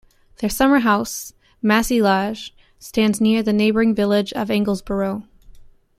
Their Summer house, Massy Lodge, stands near the neighbouring village of Anglesborough.